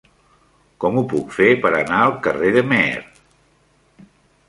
Com ho puc fer per anar al carrer de Meer?